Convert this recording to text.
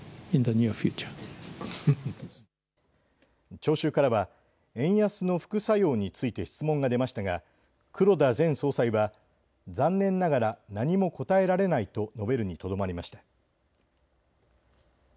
聴衆からは円安の副作用について質問が出ましたが、黒田前総裁は残念ながら何も答えられないと述べるにとどまりました。